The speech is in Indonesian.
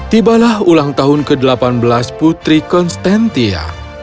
tibalah ulang tahun ke delapan belas putri konstantia